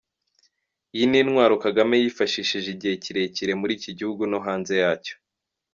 Iyi ni intwaro Kagame yifashishije igihe kirekire muri iki gihugu no hanze yacyo.